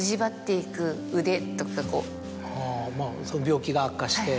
病気が悪化して。